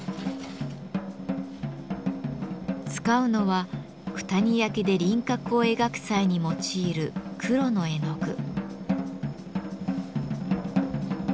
使うのは九谷焼で輪郭を描く際に用いる黒の絵の具。